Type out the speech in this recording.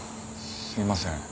すいません。